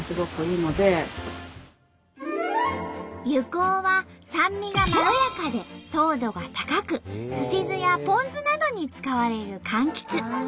柚香は酸味がまろやかで糖度が高く寿司酢やポン酢などに使われるかんきつ。